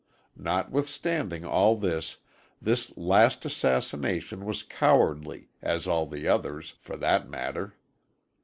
Notwithstanding all this, this last assassination was cowardly, as all the others, for that matter.